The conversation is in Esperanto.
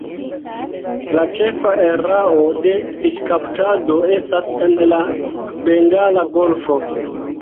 La ĉefa areo de fiŝkaptado estas en la Bengala Golfo.